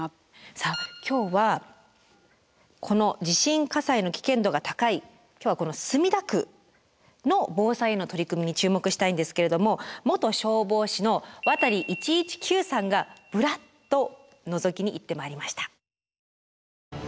さあ今日はこの地震火災の危険度が高い今日は墨田区の防災への取り組みに注目したいんですけれども元消防士のワタリ１１９さんがブラッとのぞきに行ってまいりました。